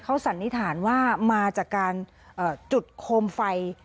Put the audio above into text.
เขาสันนิษฐานว่ามาจากการจุดโคมไฟ